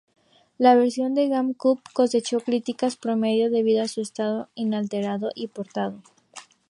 La versión de GameCube cosechó críticas promedio, debido a su estado inalterado y portado.